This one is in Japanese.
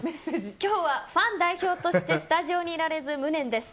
今日はファン代表としてスタジオにいられず無念です。